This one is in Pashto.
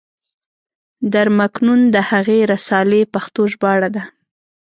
در مکنون د هغې رسالې پښتو ژباړه ده.